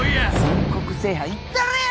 全国制覇いったれや！